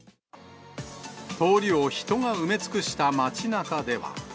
通りを人が埋め尽くした街なかでは。